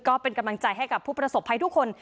ก็เป็นกำลังใจให้กับผู้ประสบภัยทุกคน